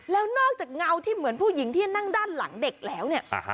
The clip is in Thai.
แล้วนอกจากเงาที่เหมือนผู้หญิงที่นั่งด้านหลังเด็กแล้วเนี่ย